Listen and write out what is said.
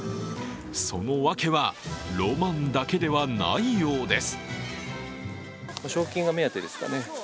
その訳は、ロマンだけではないようです。